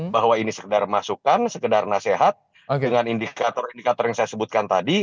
bahwa ini sekedar masukan sekedar nasihat dengan indikator indikator yang saya sebutkan tadi